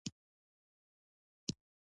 د زندان مشر د کوټې دروازه پورې کړه.